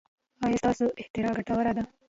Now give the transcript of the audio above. ایا ستاسو اختراع ګټوره ده؟